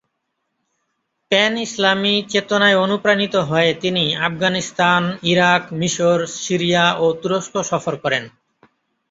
Pan ইসলামী চেতনায় অনুপ্রাণিত হয়ে তিনি আফগানিস্তান, ইরাক, মিশর, সিরিয়া ও তুরস্ক সফর করেন।